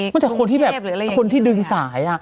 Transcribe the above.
มาจากคนที่แบบคนที่ดึงสาย